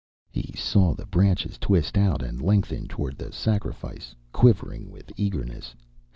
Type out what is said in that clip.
"] He saw the branches twist out and lengthen toward the sacrifice, quivering with eagerness.